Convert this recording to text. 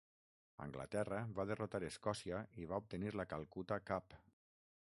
Anglaterra va derrotar Escòcia i obtenir la Calcuta Cup.